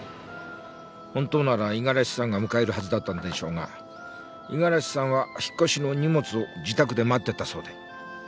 本当なら五十嵐さんが迎えるはずだったのでしょうが五十嵐さんは引っ越しの荷物を自宅で待っていたそうで。